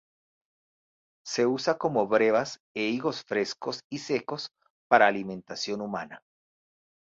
Se usa como brevas e higos frescos y secos para alimentación humana.